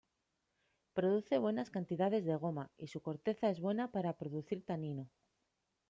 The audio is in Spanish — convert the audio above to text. Produce buenas cantidades de goma y su corteza es buena para producir tanino.